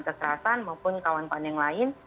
kekerasan maupun kawan kawan yang lain